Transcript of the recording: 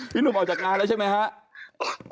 หนุ่มออกจากงานแล้วใช่ไหมครับ